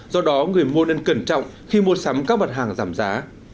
do đó người mua nên cẩn trọng khi mua sắm các mặt hàng giảm giá